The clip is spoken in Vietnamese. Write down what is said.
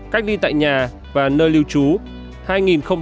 cách ly tại nhà và nơi lưu trú hai chín mươi năm người chiếm một mươi tám